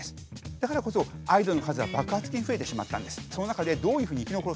だからこそアイドルの数が爆発的に増えてしまったんです。